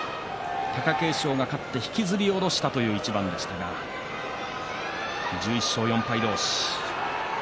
貴景勝が勝って引きずり下ろしたという一番でしたが１１勝４敗同士。